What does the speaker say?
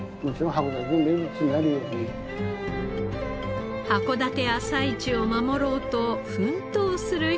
函館朝市を守ろうと奮闘する人々の物語です。